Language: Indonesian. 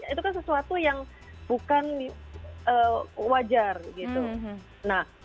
itu kan sesuatu yang bukan wajar gitu